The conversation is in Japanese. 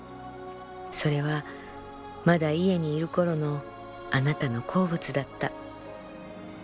それはまだ家にいる頃のあなたの好物だった」。